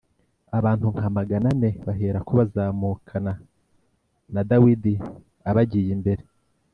Abantu nka magana ane baherako bazamukana na Dawidi abagiye imbere